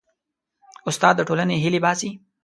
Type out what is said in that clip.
استاد د ټولنې هیلې باسي.